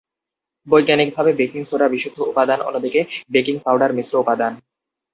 বৈজ্ঞানিকভাবে, baking soda বিশুদ্ধ উপাদান, অন্যদিকে বেকিং পাউডার মিশ্র উপাদান।